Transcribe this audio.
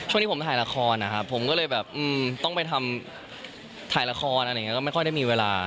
ช่วงนี้ผมถ่ายละครนะครับผมก็เลยต้องไปถ่ายละครก็ไม่ค่อยได้มีเวลา